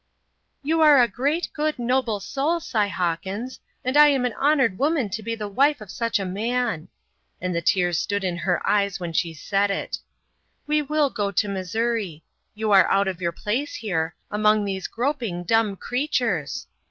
"You are a great, good, noble soul, Si Hawkins, and I am an honored woman to be the wife of such a man" and the tears stood in her eyes when she said it. "We will go to Missouri. You are out of your place, here, among these groping dumb creatures.